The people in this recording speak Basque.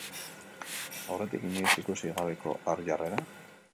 Aurretik inoiz ikusi gabeko ar jarrera?